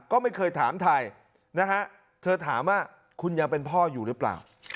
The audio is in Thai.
ก็ไม่เคยถามไทยนะฮะเธอถามว่าคุณยังเป็นพ่ออยู่หรือเปล่า